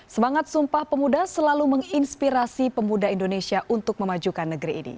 semangat sumpah pemuda selalu menginspirasi pemuda indonesia untuk memajukan negeri ini